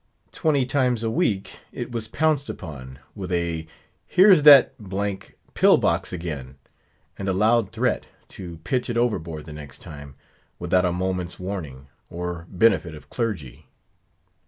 Twenty times a week it was pounced upon, with a "here's that d——d pillbox again!" and a loud threat, to pitch it overboard the next time, without a moment's warning, or benefit of clergy.